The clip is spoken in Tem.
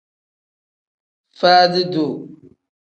Faadi-duu.